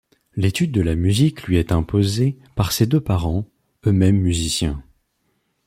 L'étude de la musique lui est imposée par ses deux parents, eux-mêmes musiciens.